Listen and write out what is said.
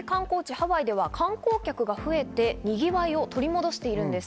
ハワイでは観光客が増えて、にぎわいを取り戻しているんです。